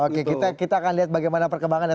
oke kita akan lihat bagaimana perkembangannya